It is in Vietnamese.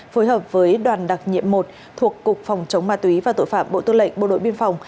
phối hợp với đoàn đặc nhiệm một thuộc cục phòng chống ma túy và tội phạm bộ tư lệnh bộ đội biên phòng